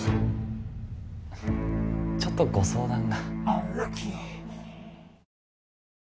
ちょっとご相談が。